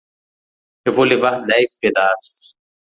Eu vou levar dez pedaços.